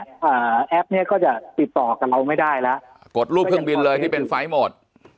อ่าแอปเนี้ยก็จะติดต่อกับเราไม่ได้แล้วกดรูปเครื่องบินเลยที่เป็นไฟล์หมด